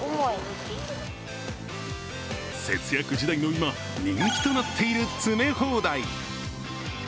節約時代の今、人気となっている詰め放題。